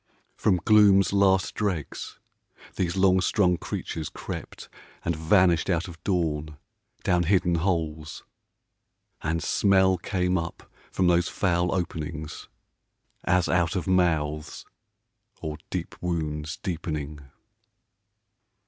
From gloom's last dregs these long strung creatures crept, And vanished out of dawn down hidden holes. (And smell came up from those foul openings As out of mouths, or deep wounds deepening.)